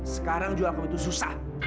sekarang jual kamu itu susah